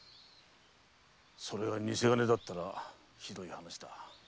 それが偽金だったらひどい話だ。